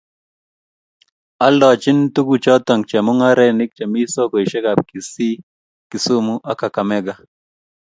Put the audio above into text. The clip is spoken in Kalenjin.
oldochini tukuchoto chemung'arainik chemi sokesiekab Kisii, Kisumu ak Kakamega